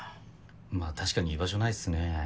まあ確かに居場所ないっすねぇ。